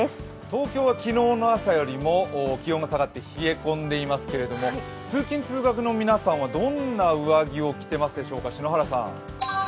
東京は昨日の朝よりも気温が下がって冷え込んでいますけれども通勤通学の皆さんは、どんな上着を着てますでしょうか？